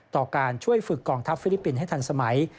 ต่อการช่วยฝึกกองทัพฟิลิปปินส์ให้ทันสมัย